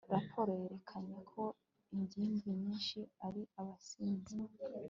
raporo yerekanye ko ingimbi nyinshi ari abasinzi